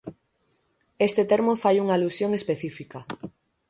Este termo fai unha alusión específica.